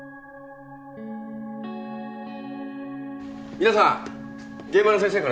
皆さん現場の先生からです。